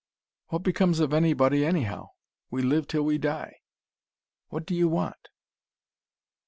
"What becomes of anybody, anyhow? We live till we die. What do you want?"